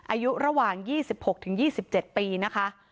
อายุระหว่าง๒๖๒๗ปีนะคะ